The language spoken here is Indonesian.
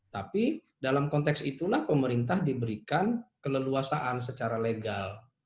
tapi dalam konteks itulah pemerintah diberikan keleluasaan secara legal